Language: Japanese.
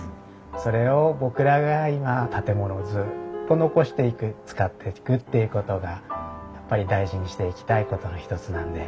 それを僕らが今建物をずっと残していく使っていくっていうことがやっぱり大事にしていきたいことの一つなんで。